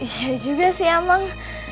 iya juga sih amang